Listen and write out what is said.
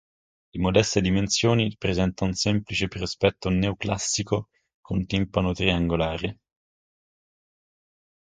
Di modeste dimensioni, presenta un semplice prospetto neoclassico con timpano triangolare.